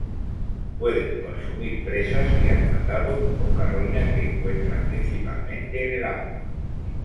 Pueden consumir presas que han matado o carroña que encuentran, principalmente en el agua.